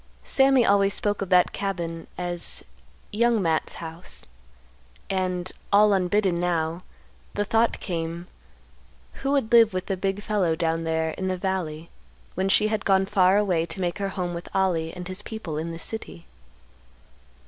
Sammy always spoke of that cabin as "Young Matt's house." And, all unbidden now, the thought came, who would live with the big fellow down there in the valley when she had gone far away to make her home with Ollie and his people in the city?